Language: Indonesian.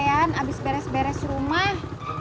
tidur kecapean habis beres beres rumah